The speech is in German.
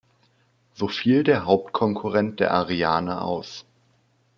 So fiel der Hauptkonkurrent der Ariane aus.